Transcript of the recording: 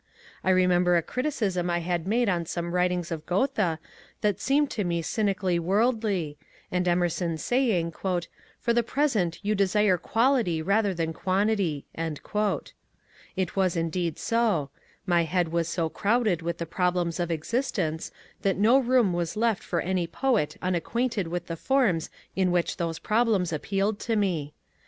I remember a criticism I had made on some writings of Goethe that seemed to me cynically worldly, and Emerson saying, " For the present you desire quality rather than quantity." It was indeed so ; my head was so crowded with the problems of existence that no room was left for any poet unacquainted with the forms in which those problems appealed to me.